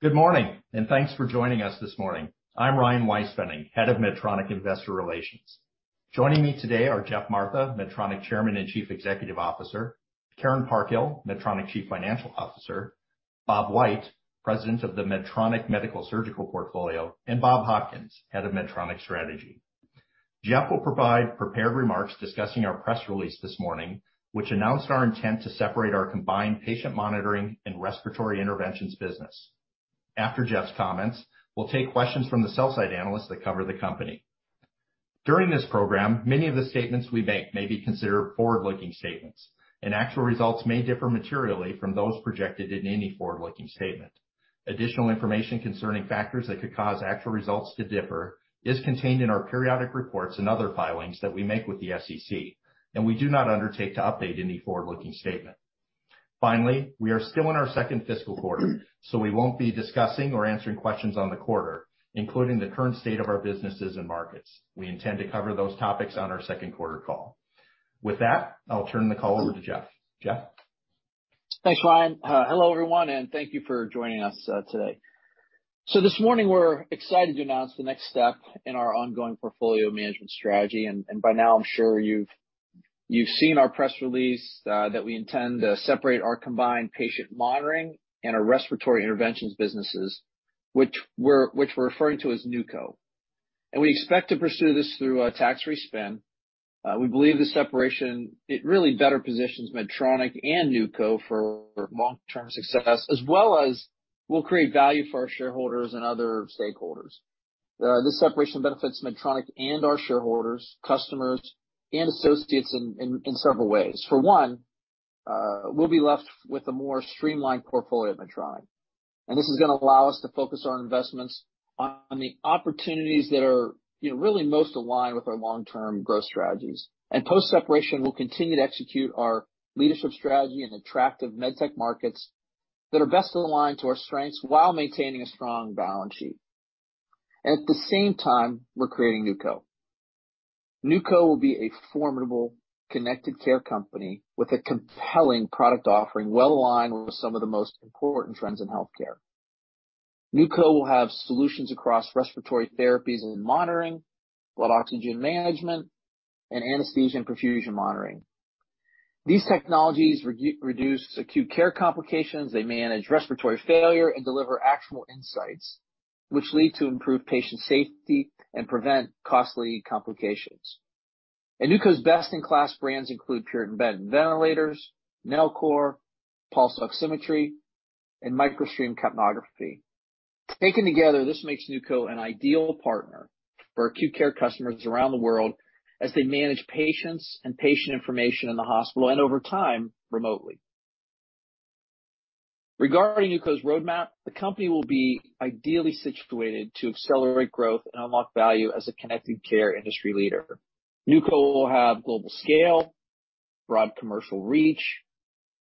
Good morning, and thanks for joining us this morning. I'm Ryan Weispfenning, head of Medtronic Investor Relations. Joining me today are Geoff Martha, Medtronic Chairman and Chief Executive Officer, Karen Parkhill, Medtronic Chief Financial Officer, Bob White, President of the Medtronic Medical Surgical Portfolio, and Bob Hopkins, Head of Medtronic Strategy. Geoff will provide prepared remarks discussing our press release this morning, which announced our intent to separate our combined patient monitoring and respiratory interventions business. After Geoff's comments, we'll take questions from the sell-side analysts that cover the company. During this program, many of the statements we make may be considered forward-looking statements, and actual results may differ materially from those projected in any forward-looking statement. Additional information concerning factors that could cause actual results to differ is contained in our periodic reports and other filings that we make with the SEC, and we do not undertake to update any forward-looking statement. Finally, we are still in our second fiscal quarter, so we won't be discussing or answering questions on the quarter, including the current state of our businesses and markets. We intend to cover those topics on our second quarter call. With that, I'll turn the call over to Geoff. Geoff? Thanks, Ryan. Hello, everyone, and thank you for joining us today. This morning we're excited to announce the next step in our ongoing portfolio management strategy. By now I'm sure you've seen our press release that we intend to separate our combined patient monitoring and our respiratory interventions businesses, which we're referring to as NewCo. We expect to pursue this through a tax-free spin. We believe the separation it really better positions Medtronic and NewCo for long-term success, as well as will create value for our shareholders and other stakeholders. This separation benefits Medtronic and our shareholders, customers, and associates in several ways. For one, we'll be left with a more streamlined portfolio at Medtronic, and this is going to allow us to focus our investments on the opportunities that are, you know, really most aligned with our long-term growth strategies. Post-separation, we'll continue to execute our leadership strategy in attractive med tech markets that are best aligned to our strengths while maintaining a strong balance sheet. At the same time, we're creating NewCo. NewCo will be a formidable connected care company with a compelling product offering, well aligned with some of the most important trends in healthcare. NewCo will have solutions across respiratory therapies and monitoring, blood oxygen management, and anesthesia and perfusion monitoring. These technologies reduce acute care complications, they manage respiratory failure and deliver actionable insights which lead to improved patient safety and prevent costly complications. NewCo's best-in-class brands include Puritan Bennett ventilators, Nellcor, pulse oximetry, and Microstream capnography. Taken together, this makes NewCo an ideal partner for acute care customers around the world as they manage patients and patient information in the hospital, and over time, remotely. Regarding NewCo's roadmap, the company will be ideally situated to accelerate growth and unlock value as a connected care industry leader. NewCo will have global scale, broad commercial reach,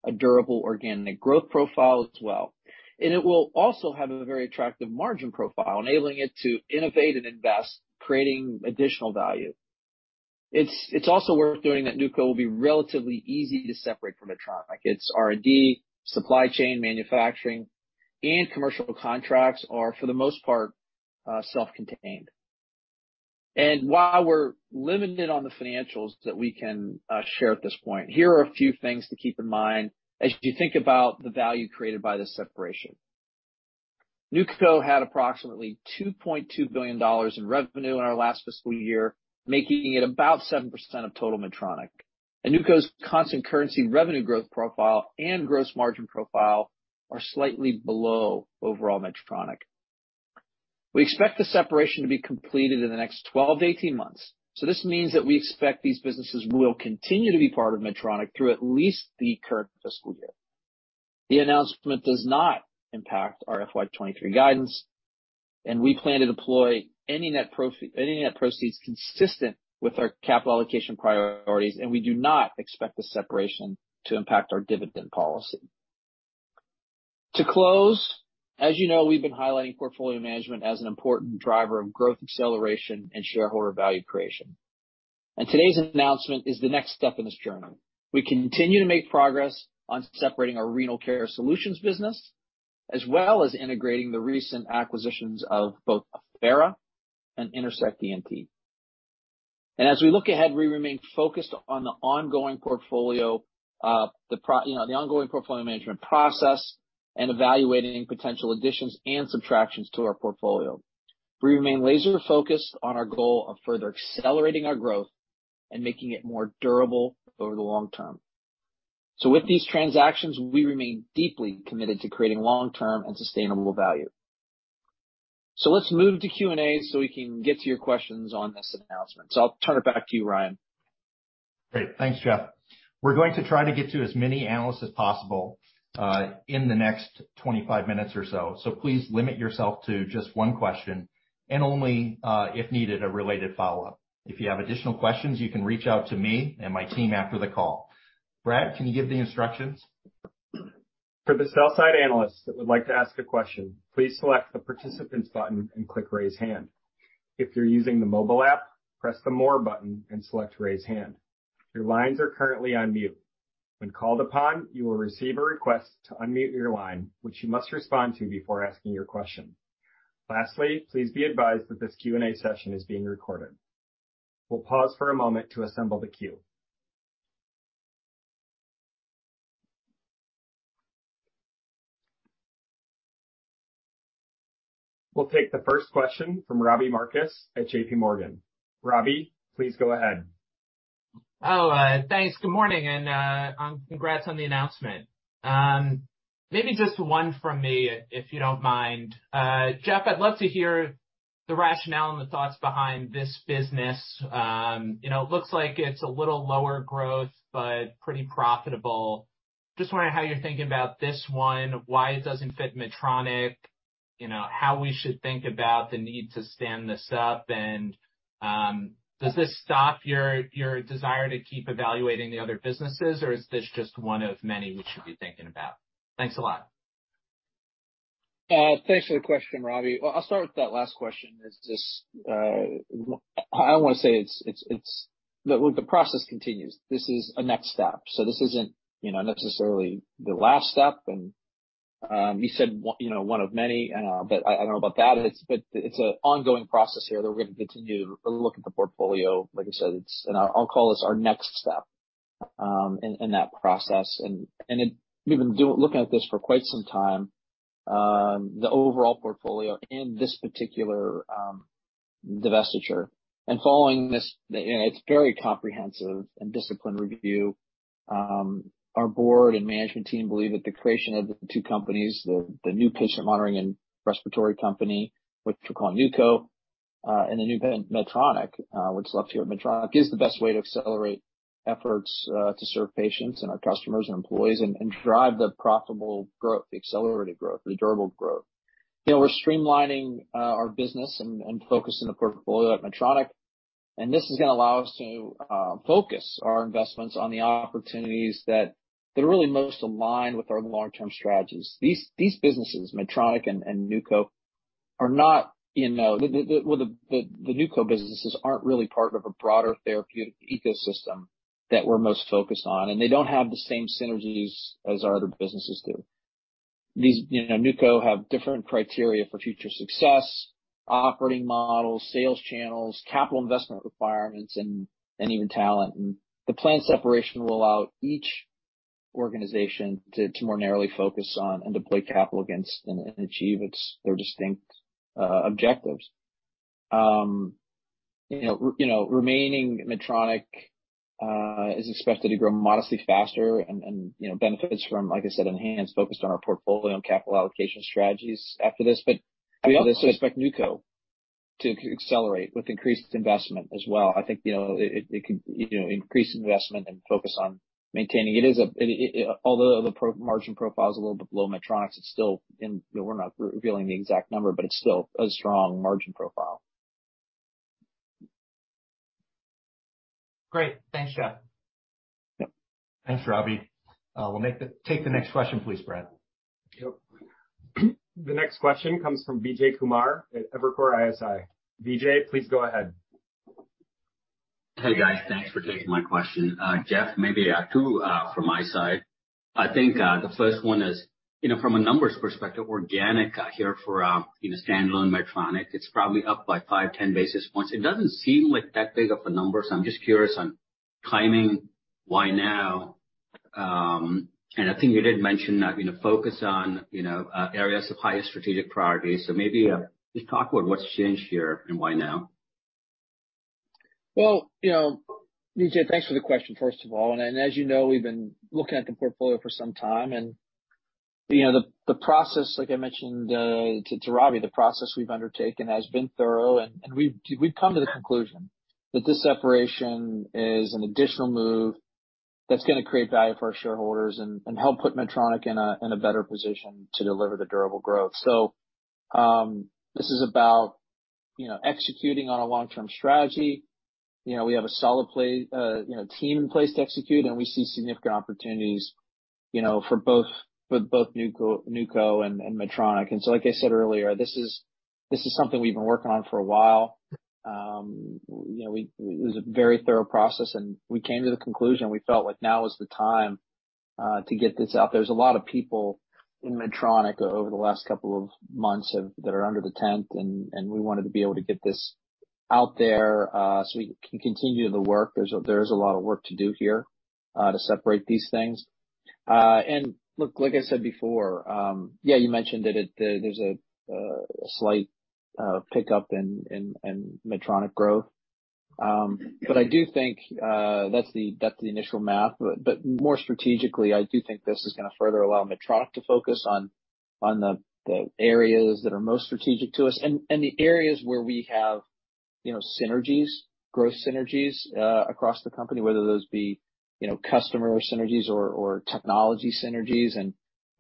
a durable organic growth profile as well. It will also have a very attractive margin profile, enabling it to innovate and invest, creating additional value. It's also worth noting that NewCo will be relatively easy to separate from Medtronic. Its R&D, supply chain, manufacturing, and commercial contracts are, for the most part, self-contained. While we're limited on the financials that we can share at this point, here are a few things to keep in mind as you think about the value created by this separation. NewCo had approximately $2.2 billion in revenue in our last fiscal year, making it about 7% of total Medtronic. NewCo's constant currency revenue growth profile and gross margin profile are slightly below overall Medtronic. We expect the separation to be completed in the next 12–18 months, so this means that we expect these businesses will continue to be part of Medtronic through at least the current fiscal year. The announcement does not impact our FY 2023 guidance, and we plan to deploy any net proceeds consistent with our capital allocation priorities, and we do not expect the separation to impact our dividend policy. To close, as you know, we've been highlighting portfolio management as an important driver of growth acceleration and shareholder value creation, and today's announcement is the next step in this journey. We continue to make progress on separating our Renal Care Solutions business, as well as integrating the recent acquisitions of both Affera and Intersect ENT. As we look ahead, we remain focused on, you know, the ongoing portfolio management process and evaluating potential additions and subtractions to our portfolio. We remain laser-focused on our goal of further accelerating our growth and making it more durable over the long term. With these transactions, we remain deeply committed to creating long-term and sustainable value. Let's move to Q&A so we can get to your questions on this announcement. I'll turn it back to you, Ryan. Great. Thanks, Geoff. We're going to try to get to as many analysts as possible, in the next 25 minutes or so please limit yourself to just one question and only, if needed, a related follow-up. If you have additional questions, you can reach out to me and my team after the call. Brad, can you give the instructions? For the sell-side analysts that would like to ask a question, please select the Participants button and click Raise Hand. If you're using the mobile app, press the More button and select Raise Hand. Your lines are currently on mute. When called upon, you will receive a request to unmute your line, which you must respond to before asking your question. Lastly, please be advised that this Q&A session is being recorded. We'll pause for a moment to assemble the queue. We'll take the first question from Robbie Marcus at JPMorgan. Robbie, please go ahead. Thanks. Good morning, and congrats on the announcement. Maybe just one from me, if you don't mind. Geoff, I'd love to hear the rationale and the thoughts behind this business. You know, it looks like it's a little lower growth but pretty profitable. Just wondering how you're thinking about this one, why it doesn't fit Medtronic, you know, how we should think about the need to stand this up, and does this stop your desire to keep evaluating the other businesses, or is this just one of many we should be thinking about? Thanks a lot. Thanks for the question, Robbie. Well, I'll start with that last question. Is this. I don't want to say it's. Look, the process continues. This is a next step. This isn't, you know, necessarily the last step. You said you know, one of many, but I don't know about that. But it's an ongoing process here that we're going to continue to look at the portfolio. Like I said, it's and I'll call this our next step in that process. We've been looking at this for quite some time, the overall portfolio and this particular divestiture. Following this, you know, it's very comprehensive and disciplined review. Our board and management team believe that the creation of the two companies, the new patient monitoring and respiratory company, which we'll call NewCo, and the new Medtronic, what's left here at Medtronic, is the best way to accelerate efforts to serve patients and our customers and employees and drive the profitable growth, the accelerated growth, the durable growth. You know, we're streamlining our business and focusing the portfolio at Medtronic, and this is going to allow us to focus our investments on the opportunities that are really most aligned with our long-term strategies. These businesses, Medtronic and NewCo, are not. You know, the NewCo businesses aren't really part of a broader therapeutic ecosystem that we're most focused on, and they don't have the same synergies as our other businesses do. These you know NewCo have different criteria for future success, operating models, sales channels, capital investment requirements, and even talent. The planned separation will allow each organization to more narrowly focus on and deploy capital against and achieve their distinct objectives. You know remaining Medtronic is expected to grow modestly faster and you know benefits from, like I said, enhanced focus on our portfolio and capital allocation strategies after this. We also expect NewCo to accelerate with increased investment as well. I think you know it can you know increase investment and focus on maintaining. Although the margin profile is a little bit below Medtronic's, it's still. You know, we're not revealing the exact number, but it's still a strong margin profile. Great. Thanks, Geoff. Yep. Thanks, Robbie. Take the next question please, Brad. Yep. The next question comes from Vijay Kumar at Evercore ISI. Vijay, please go ahead. Hey, guys. Thanks for taking my question. Geoff, maybe two from my side. I think the first one is, you know, from a numbers perspective, organic growth for, you know, standalone Medtronic, it's probably up by 5–10 basis points. It doesn't seem like that big of a number. I'm just curious on timing, why now? And I think you did mention that, you know, focus on, you know, areas of highest strategic priority. Maybe just talk about what's changed here and why now. Well, you know, Vijay, thanks for the question, first of all. As you know, we've been looking at the portfolio for some time. You know, the process, like I mentioned to Robbie, the process we've undertaken has been thorough. We've come to the conclusion that this separation is an additional move that's going to create value for our shareholders and help put Medtronic in a better position to deliver the durable growth. This is about, you know, executing on a long-term strategy. You know, we have a solid team in place to execute, and we see significant opportunities, you know, for both NewCo and Medtronic. Like I said earlier, this is something we've been working on for a while. You know, it was a very thorough process, and we came to the conclusion we felt like now is the time to get this out. There's a lot of people in Medtronic over the last couple of months that are under the tent, and we wanted to be able to get this out there so we can continue the work. There is a lot of work to do here to separate these things. Look, like I said before, you mentioned that there's a slight pickup in Medtronic growth. I do think that's the initial math. More strategically, I do think this is going to further allow Medtronic to focus on the areas that are most strategic to us and the areas where we have, you know, synergies, growth synergies across the company, whether those be, you know, customer synergies or technology synergies.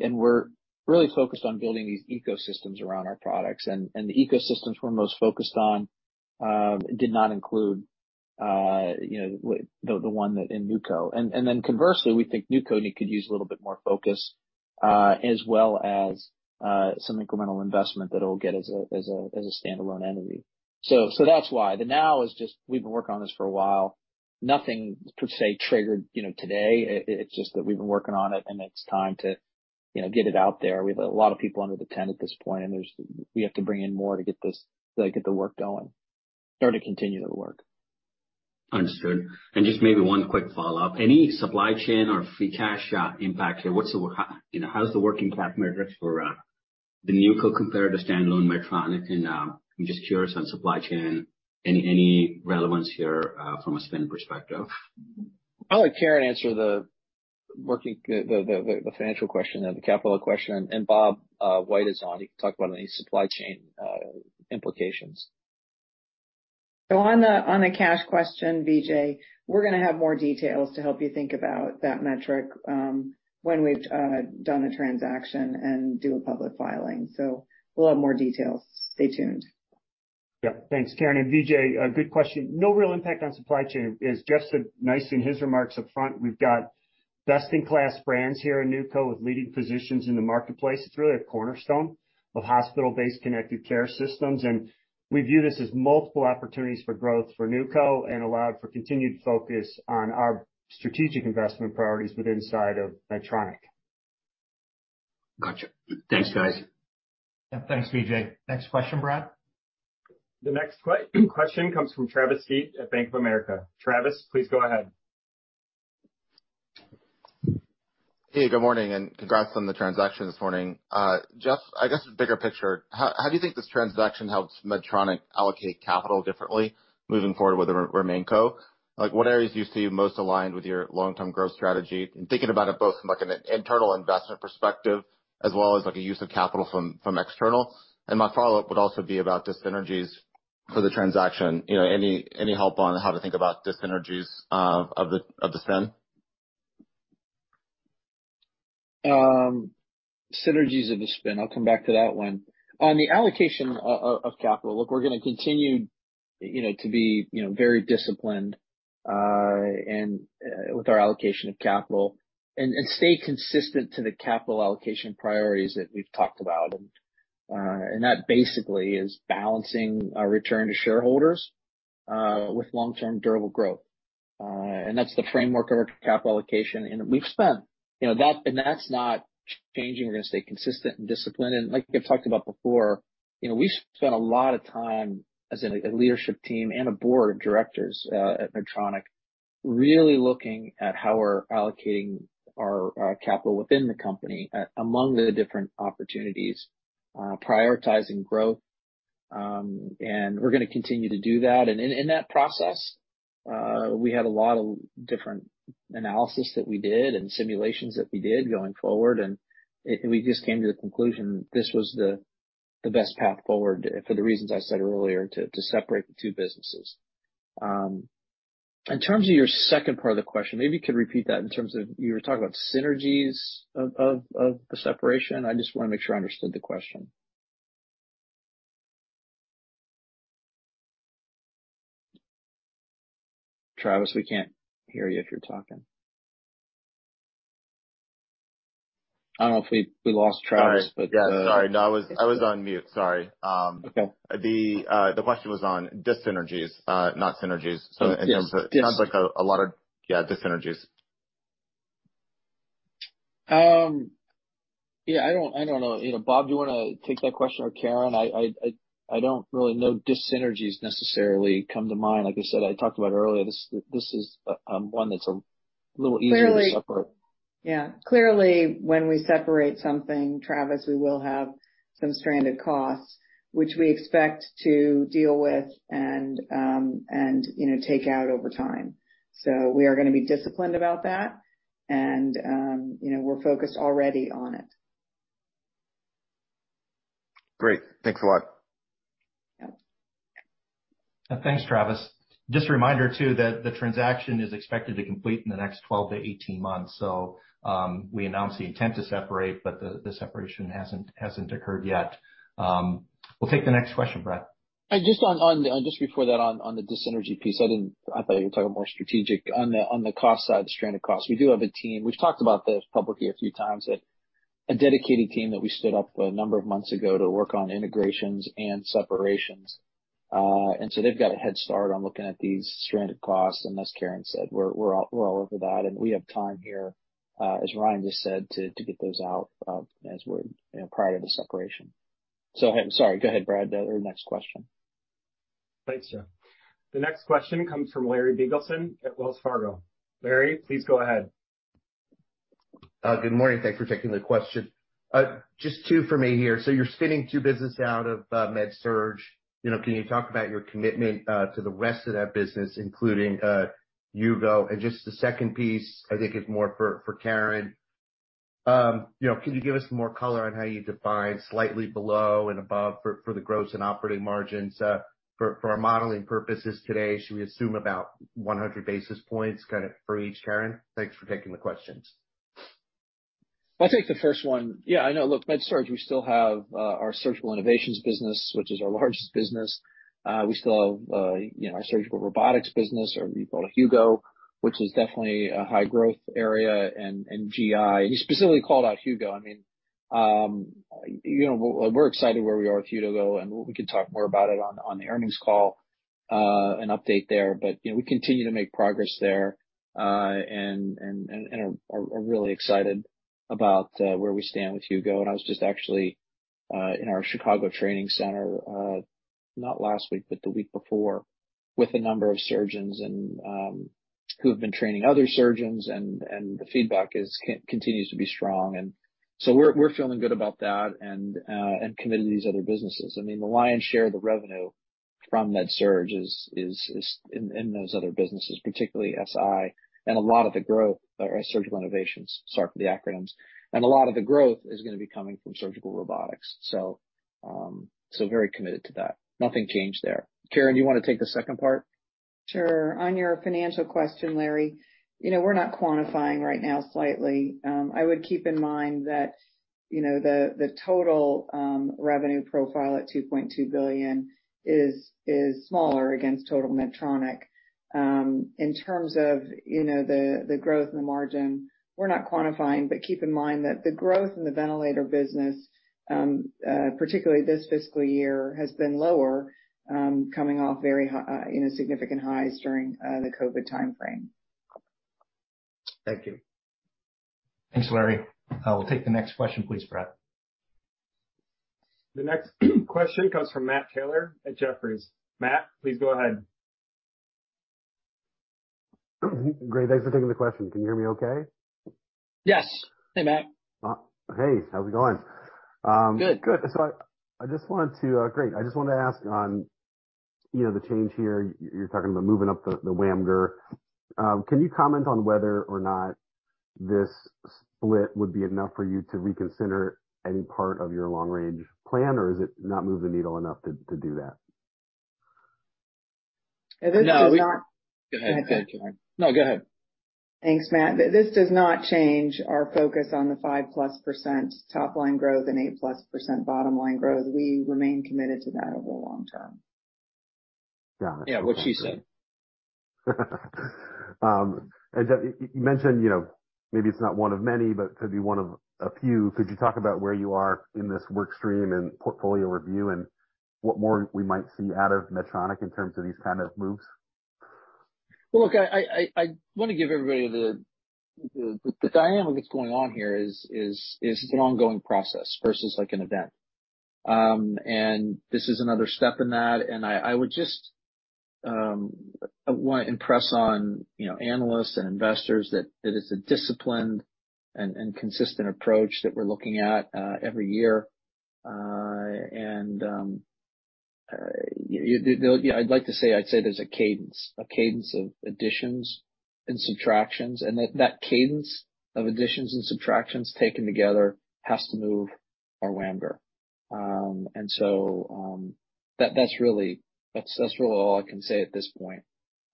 We're really focused on building these ecosystems around our products. The ecosystems we're most focused on did not include the one in NewCo. Then conversely, we think NewCo could use a little bit more focus as well as some incremental investment that it'll get as a standalone entity. That's why. Then now is just we've been working on this for a while. Nothing per se triggered today. It's just that we've been working on it, and it's time to, you know, get it out there. We have a lot of people under the tent at this point, and we have to bring in more to get this, like, get the work going or to continue the work. Understood. Just maybe one quick follow-up. Any supply chain or free cash impact here? You know, how's the working capital metrics for the NewCo compare to standalone Medtronic? I'm just curious on supply chain, any relevance here from a spend perspective? I'll let Karen answer the financial question or the capital question. Bob White is on. He can talk about any supply chain implications. On the cash question, Vijay Kumar, we're going to have more details to help you think about that metric, when we've done a transaction and do a public filing. We'll have more details. Stay tuned. Yeah. Thanks, Karen. Vijay, good question. No real impact on supply chain. As Geoff said nicely in his remarks up front, we've got best-in-class brands here in NewCo with leading positions in the marketplace. It's really a cornerstone of hospital-based connected care systems, and we view this as multiple opportunities for growth for NewCo and allowed for continued focus on our strategic investment priorities but inside of Medtronic. Gotcha. Thanks, guys. Yeah, thanks, Vijay. Next question, Brad. The next question comes from Travis Steed at Bank of America. Travis, please go ahead. Hey, good morning, and congrats on the transaction this morning. Geoff, I guess bigger picture, how do you think this transaction helps Medtronic allocate capital differently moving forward with the remaining Co? Like, what areas do you see most aligned with your long-term growth strategy? Thinking about it both from like an internal investment perspective as well as, like, a use of capital from external. My follow-up would also be about dis-synergies for the transaction. You know, any help on how to think about dis-synergies of the spin? Synergies of the spin. I'll come back to that one. On the allocation of capital, look, we're going to continue, you know, to be, you know, very disciplined, and with our allocation of capital and stay consistent to the capital allocation priorities that we've talked about. That basically is balancing our return to shareholders with long-term durable growth. That's the framework of our capital allocation. You know, that's not changing. We're going to stay consistent and disciplined. Like I've talked about before, you know, we've spent a lot of time as a leadership team and a board of directors at Medtronic really looking at how we're allocating our capital within the company among the different opportunities, prioritizing growth. We're going to continue to do that. In that process, we had a lot of different analysis that we did and simulations that we did going forward, and we just came to the conclusion this was the best path forward, for the reasons I said earlier, to separate the two businesses. In terms of your second part of the question, maybe you could repeat that in terms of you were talking about synergies of the separation. I just want to make sure I understood the question. Travis, we can't hear you if you're talking. I don't know if we lost Travis, but Sorry. No, I was on mute. Sorry. Okay. The question was on dis-synergies, not synergies. Yes. Yes. In terms of it sounds like a lot of dis-synergies. Yeah, I don't know. You know, Bob, do you want to take that question or Karen? I don't really know dis-synergies necessarily come to mind. Like I said, I talked about earlier, this is one that's a little easier to separate. Clearly, when we separate something, Travis, we will have some stranded costs which we expect to deal with and, you know, take out over time. We are going to be disciplined about that, and, you know, we're focused already on it. Great. Thanks a lot. Yep. Thanks, Travis. Just a reminder too that the transaction is expected to complete in the next 12–18 months. We announced the intent to separate, but the separation hasn't occurred yet. We'll take the next question, Brad. Just before that on the dis-synergy piece, I thought you were talking more strategic. On the cost side, the stranded costs, we do have a team. We've talked about this publicly a few times that a dedicated team that we stood up a number of months ago to work on integrations and separations. They've got a head start on looking at these stranded costs, and as Karen said, we're all over that. We have time here, as Ryan just said, to get those out as we're prior to the separation. I'm sorry. Go ahead, Brad. Then our next question. Thanks, Geoff. The next question comes from Larry Biegelsen at Wells Fargo. Larry, please go ahead. Good morning. Thanks for taking the question. Just two for me here. You're spinning two business out of MedSurg. You know, can you talk about your commitment to the rest of that business, including Hugo? Just the second piece, I think is more for Karen. You know, can you give us more color on how you define slightly below and above for the gross and operating margins for our modeling purposes today? Should we assume about 100 basis points kind of for each, Karen? Thanks for taking the questions. I'll take the first one. Yeah, I know. Look, MedSurg, we still have our Surgical Innovations business, which is our largest business. We still have, you know, our surgical robotics business or what you call Hugo. Which is definitely a high growth area in GI. You specifically called out Hugo. I mean, you know, we're excited where we are with Hugo, and we can talk more about it on the earnings call, and update there. You know, we continue to make progress there, and are really excited about where we stand with Hugo. I was just actually in our Chicago training center, not last week, but the week before, with a number of surgeons and who have been training other surgeons and the feedback continues to be strong. We're feeling good about that and committed to these other businesses. I mean, the lion's share of the revenue from MedSurg is in those other businesses, particularly SI, or Surgical Innovations, sorry for the acronyms. A lot of the growth is going to be coming from surgical robotics. Very committed to that. Nothing changed there. Karen, do you want to take the second part? Sure. On your financial question, Larry, you know, we're not quantifying right now slightly. I would keep in mind that, you know, the total revenue profile at $2.2 billion is smaller against total Medtronic. In terms of, you know, the growth and the margin, we're not quantifying, but keep in mind that the growth in the ventilator business, particularly this fiscal year, has been lower, coming off very high, you know, significant highs during the COVID-19 timeframe. Thank you. Thanks, Larry. We'll take the next question, please, Brad. The next question comes from Matt Taylor at Jefferies. Matt, please go ahead. Great. Thanks for taking the question. Can you hear me okay? Yes. Hey, Matt. Hey, how's it going? Good. I just wanted to ask on, you know, the change here. You're talking about moving up the WAMGR. Can you comment on whether or not this split would be enough for you to reconsider any part of your long range plan, or does it not move the needle enough to do that? This does not- No, go ahead. Go ahead, Karen. No, go ahead. Thanks, Matt. This does not change our focus on the 5%+ top line growth and 8%+ bottom line growth. We remain committed to that over the long term. Yeah. What she said. You mentioned, you know, maybe it's not one of many, but could be one of a few. Could you talk about where you are in this work stream and portfolio review and what more we might see out of Medtronic in terms of these kind of moves? Well, look, I want to give everybody the dynamic that's going on here is an ongoing process versus like an event. This is another step in that. I would just want to impress on you know, analysts and investors that it is a disciplined and consistent approach that we're looking at every year. You know, I'd say there's a cadence of additions and subtractions, and that cadence of additions and subtractions taken together has to move our WAMGR. That's really all I can say at this point.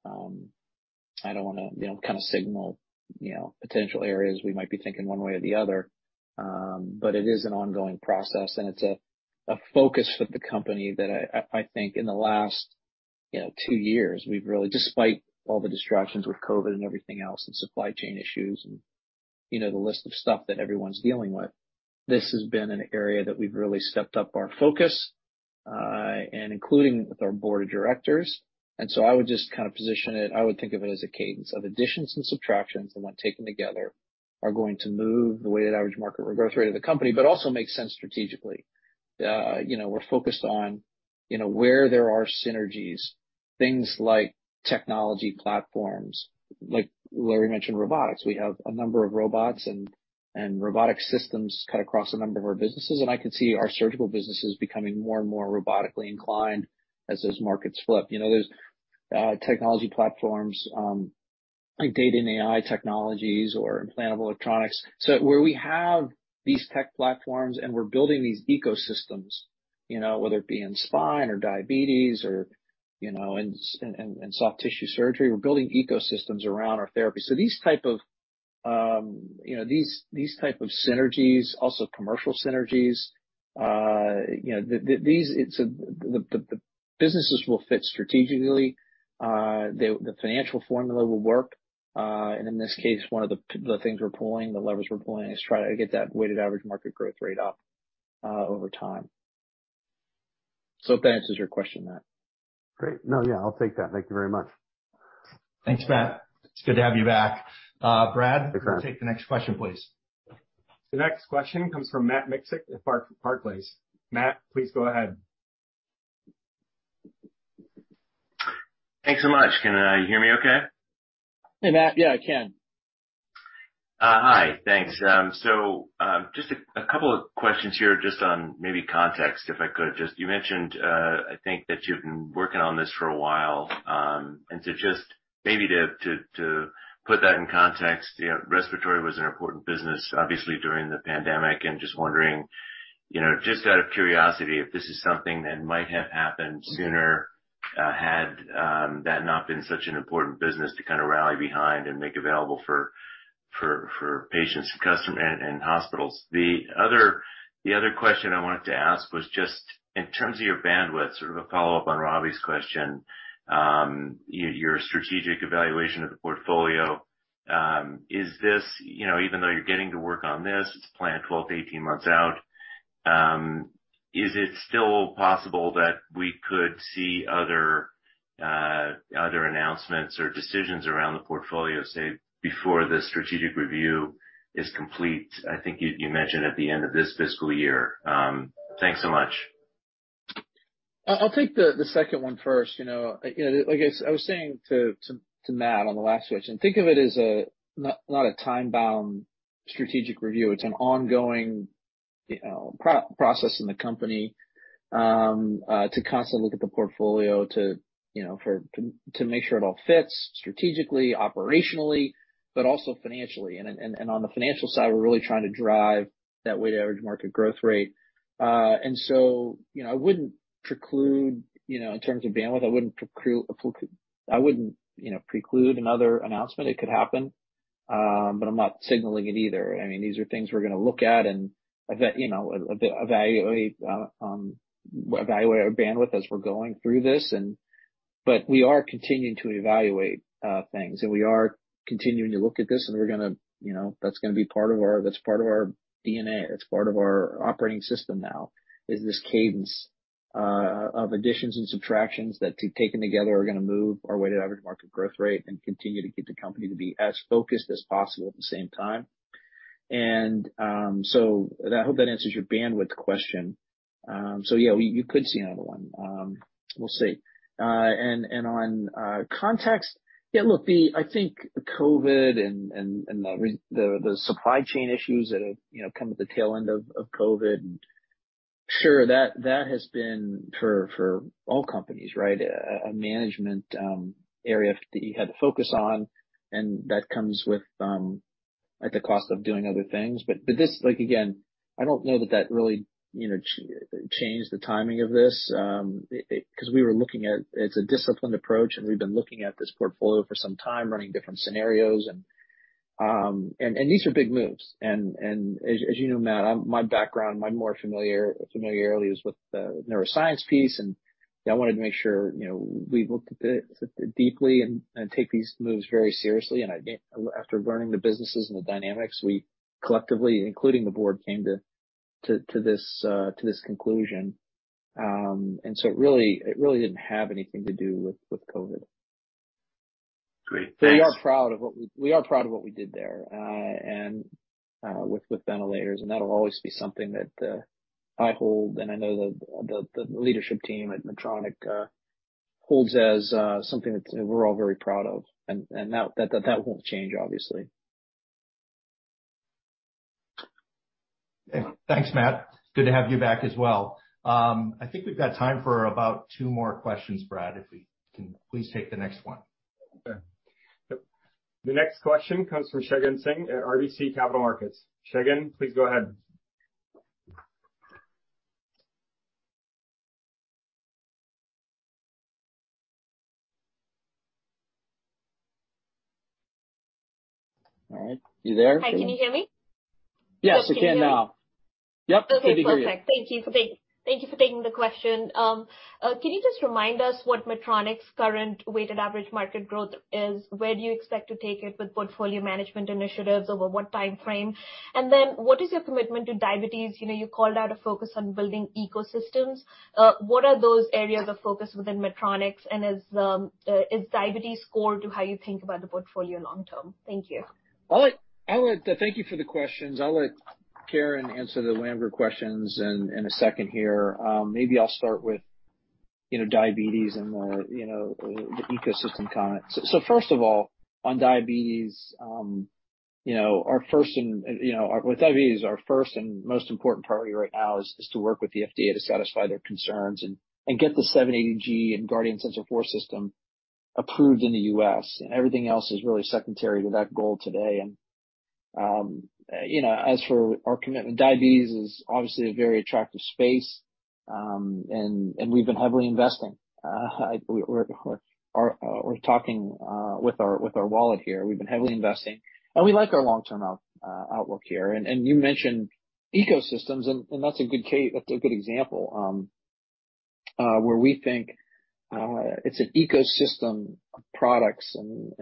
I don't want to you know, kind of signal you know, potential areas we might be thinking one way or the other. It is an ongoing process, and it's a focus for the company that I think in the last two years, you know, despite all the distractions with COVID-19 and everything else and supply chain issues and, you know, the list of stuff that everyone's dealing with, this has been an area that we've really stepped up our focus, including with our board of directors. I would just kind of position it. I would think of it as a cadence of additions and subtractions, and when taken together, are going to move the weighted average market growth rate of the company, but also makes sense strategically. You know, we're focused on, you know, where there are synergies, things like technology platforms, like Larry mentioned, robotics. We have a number of robots and robotic systems cut across a number of our businesses, and I can see our surgical businesses becoming more and more robotically inclined as those markets flip. You know, there's technology platforms like data and AI technologies or implantable electronics. Where we have these tech platforms and we're building these ecosystems, you know, whether it be in spine or diabetes or, you know, in soft tissue surgery, we're building ecosystems around our therapy. These type of synergies, also commercial synergies, you know. The businesses will fit strategically. The financial formula will work. In this case, one of the things we're pulling, the levers we're pulling is try to get that weighted average market growth rate up over time. Hope that answers your question, Matt. Great. No, yeah, I'll take that. Thank you very much. Thanks, Matt. It's good to have you back. Brad- Thanks, Brad. Can we take the next question, please? The next question comes from Matt Miksic at Barclays. Matt, please go ahead. Thanks so much. Can you hear me okay? Hey, Matt. Yeah, I can. Hi. Thanks. So, just a couple of questions here, just on maybe context, if I could just. You mentioned, I think that you've been working on this for a while. Just maybe to put that in context, you know, respiratory was an important business, obviously, during the pandemic, and just wondering, you know, just out of curiosity, if this is something that might have happened sooner, had that not been such an important business to kind of rally behind and make available for patients and customers and hospitals. The other question I wanted to ask was just in terms of your bandwidth, sort of a follow-up on Robbie's question, your strategic evaluation of the portfolio, is this. You know, even though you're getting to work on this, it's planned 12–18 months out, is it still possible that we could see other announcements or decisions around the portfolio, say, before the strategic review is complete? I think you mentioned at the end of this fiscal year. Thanks so much. I'll take the second one first. I was saying to Matt on the last question, think of it as not a time-bound strategic review. It's an ongoing process in the company to constantly look at the portfolio to make sure it all fits strategically, operationally, but also financially. On the financial side, we're really trying to drive that weighted average market growth rate. I wouldn't preclude, in terms of bandwidth, I wouldn't preclude another announcement. It could happen. But I'm not signaling it either. I mean, these are things we're going to look at, and I think evaluate our bandwidth as we're going through this. We are continuing to evaluate things, and we are continuing to look at this, and we're going to, you know, that's part of our DNA. It's part of our operating system now, is this cadence of additions and subtractions that taken together are going to move our weighted average market growth rate and continue to get the company to be as focused as possible at the same time. I hope that answers your bandwidth question. Yeah, you could see another one. We'll see. On context, yeah, look, I think COVID-19 and the supply chain issues that have, you know, come at the tail end of COVID-19. Sure, that has been for all companies, right? A management area that you had to focus on, and that comes at the cost of doing other things. This—like again, I don't know that really, you know, changed the timing of this, 'cause we were looking at it as a disciplined approach, and we've been looking at this portfolio for some time, running different scenarios. These are big moves. As you know, Matt, my background, my familiarity is with the neuroscience piece, and I wanted to make sure, you know, we looked at it deeply and take these moves very seriously. I, after learning the businesses and the dynamics, we collectively, including the board, came to this conclusion. It really didn't have anything to do with COVID-19. Great. Thanks. We are proud of what we did there with ventilators, and that'll always be something that I hold, and I know that the leadership team at Medtronic holds as something that we're all very proud of. That won't change, obviously. Thanks, Matt. Good to have you back as well. I think we've got time for about two more questions, Brad, if we can please take the next one. Okay. The next question comes from Shagun Singh at RBC Capital Markets. Shagun, please go ahead. All right. You there? Hi. Can you hear me? Yes, we can now. Okay, perfect. Yep. Good to hear you. Thank you for taking the question. Can you just remind us what Medtronic's current weighted average market growth is? Where do you expect to take it with portfolio management initiatives? Over what timeframe? What is your commitment to diabetes? You know, you called out a focus on building ecosystems. What are those areas of focus within Medtronic, and is diabetes core to how you think about the portfolio long term? Thank you. Thank you for the questions. I'll let Karen answer the larger questions in a second here. Maybe I'll start with, you know, diabetes and the ecosystem comment. First of all, on diabetes, our first and most important priority right now is to work with the FDA to satisfy their concerns and get the 780G and Guardian 4 sensor system approved in the U.S. Everything else is really secondary to that goal today. As for our commitment, diabetes is obviously a very attractive space. We've been heavily investing. We're talking with our wallet here. We've been heavily investing, and we like our long-term outlook here. You mentioned ecosystems, and that's a good example, where we think it's an ecosystem of products and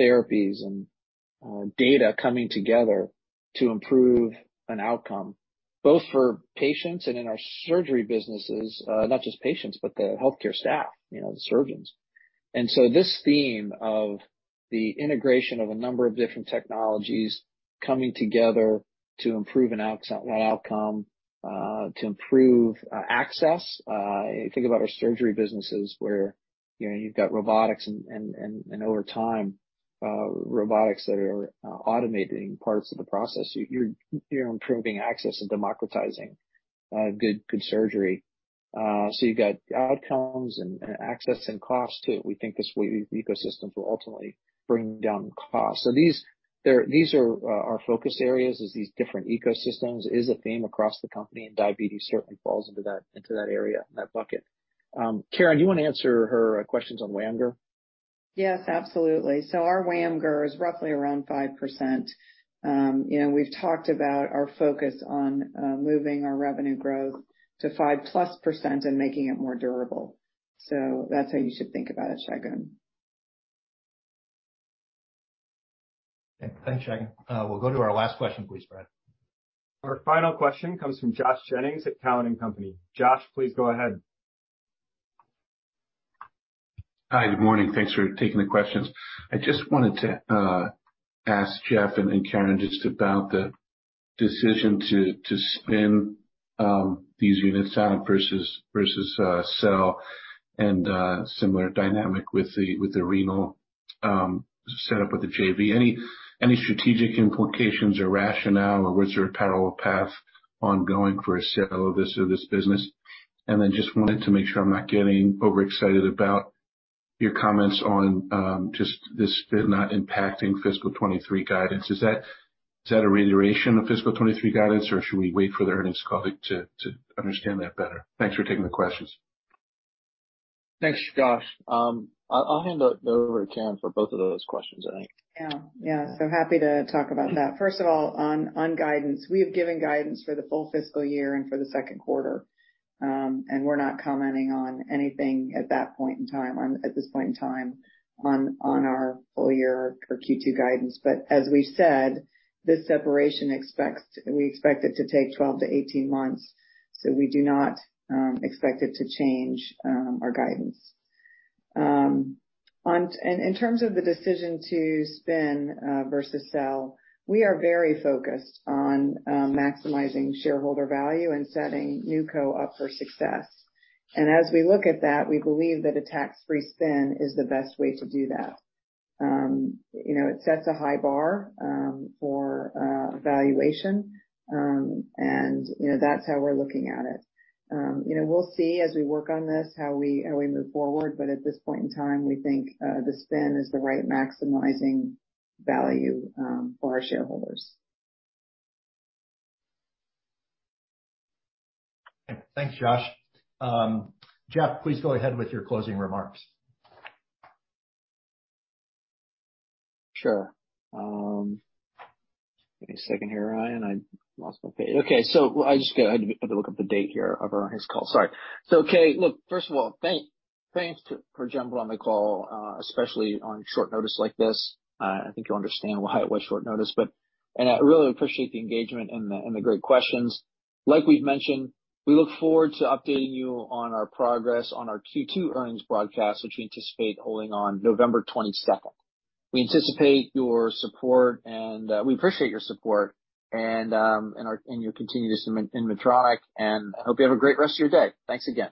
therapies and data coming together to improve an outcome, both for patients and in our surgery businesses, not just patients, but the healthcare staff, you know, the surgeons. This theme of the integration of a number of different technologies coming together to improve an outcome, to improve access. Think about our surgery businesses where, you know, you've got robotics and over time robotics that are automating parts of the process. You're improving access and democratizing good surgery. So you've got outcomes and access and cost too. We think this way ecosystems will ultimately bring down costs. These are our focus areas is these different ecosystems is a theme across the company, and diabetes certainly falls into that area, in that bucket. Karen, do you want to answer her questions on WAMGR? Yes, absolutely. Our WAMGR is roughly around 5%. You know, we've talked about our focus on moving our revenue growth to 5%+ and making it more durable. That's how you should think about it, Shagun. Okay. Thanks, Shagun. We'll go to our last question please, Brad. Our final question comes from Josh Jennings at Cowen and Company. Josh, please go ahead. Hi, good morning. Thanks for taking the questions. I just wanted to ask Geoff and Karen just about the decision to spin these units out versus sell, and similar dynamic with the renal setup with the JV. Any strategic implications or rationale, or was there a parallel path ongoing for a sale of this business? Just wanted to make sure I'm not getting overexcited about your comments on just this spin not impacting fiscal 2023 guidance. Is that a reiteration of fiscal 2023 guidance, or should we wait for the earnings call to understand that better? Thanks for taking the questions. Thanks, Josh. I'll hand it over to Karen for both of those questions, I think. Yeah, happy to talk about that. First of all, on guidance, we have given guidance for the full fiscal year and for the second quarter. We're not commenting on anything at this point in time on our full year or Q2 guidance. As we said, this separation, we expect it to take 12–18 months, so we do not expect it to change our guidance. In terms of the decision to spin versus sell, we are very focused on maximizing shareholder value and setting NewCo up for success. As we look at that, we believe that a tax-free spin is the best way to do that. You know, it sets a high bar for valuation. you know, that's how we're looking at it. you know, we'll see as we work on this, how we move forward, but at this point in time, we think the spin is the right maximizing value for our shareholders. Okay. Thanks, Josh. Geoff, please go ahead with your closing remarks. Sure. Give me a second here, Ryan. I lost my page. Okay. I have to look up the date here of our next call. Sorry. Look, first of all, thanks to everyone on the call, especially on short notice like this. I think you'll understand why it was short notice, but I really appreciate the engagement and the great questions. Like we've mentioned, we look forward to updating you on our progress on our Q2 earnings broadcast, which we anticipate holding on November 22. We anticipate your support, and we appreciate your support and your continued interest in Medtronic, and I hope you have a great rest of your day. Thanks again.